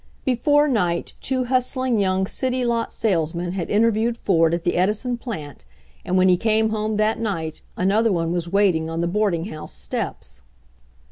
Before night two hustling young city lot salesmen had 72 HENRY FORD'S OWN STORY interviewed Ford at the Edison plant, and when he came home that night another one was waiting 1 on the boarding house steps.